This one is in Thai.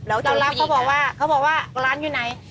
เรารับเขาบอกว่าร้านอยู่ไหน